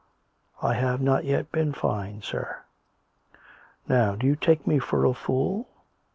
" I have not yet been fined, sir." " Now do you take me for a fool?